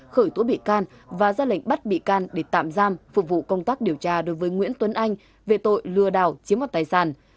khởi tố bị can và ra lệnh bắt bị can để tạm giam phục vụ công tác điều tra đối với nguyễn tuấn anh về tội lừa đảo chiếm hoạt tài sản